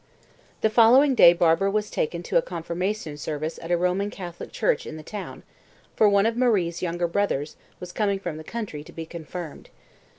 The following day Barbara was taken to a confirmation service at a Roman Catholic church in the town, for one of Marie's younger brothers was coming from the country to be confirmed.